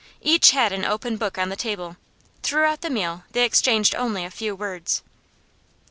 Each had an open book on the table; throughout the meal they exchanged only a few words.